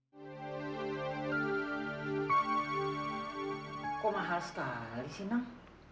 kok mahal sekali sih nang